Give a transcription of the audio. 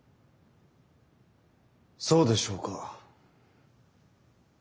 そうでしょうか。